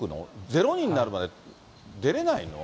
ゼロ人になるまで出れないの？